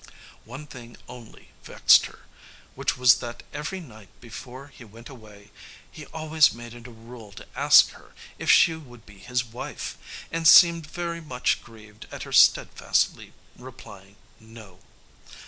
One thing only vexed her, which was that every night before he went away he always made it a rule to ask her if she would be his wife, and seemed very much grieved at her steadfastly replying "No."